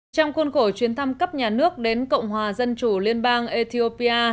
trong khuôn khổ chuyến thăm cấp nhà nước đến cộng hòa dân chủ liên bang ethiopia